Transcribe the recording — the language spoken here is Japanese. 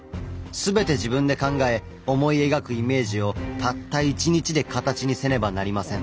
全て自分で考え思い描くイメージをたった１日で形にせねばなりません。